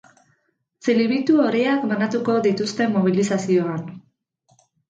Txilibitu horiak banatuko dituzte mobilizazioan.